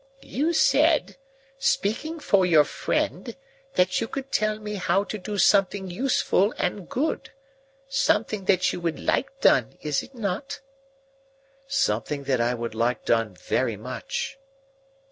"You said, speaking for your friend, that you could tell me how to do something useful and good. Something that you would like done, is it not?" "Something that I would like done very much."